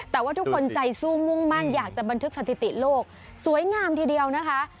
แต่ว่าทุกคนใจสู้มุ่งมั่นอยากจะบันทึกสถิติโลกสวยงามทีเดียวนะคะ